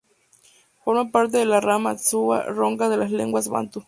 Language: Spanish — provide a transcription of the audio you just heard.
Forma parte de la rama Tswa-Ronga de las lenguas bantú.